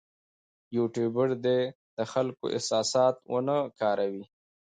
یوټوبر دې د خلکو احساسات ونه کاروي.